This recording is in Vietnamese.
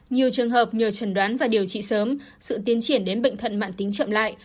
nhiều trường hợp nhờ chuẩn đoán và điều trị sớm sự tiến triển đến bệnh thận mạng tính chậm lại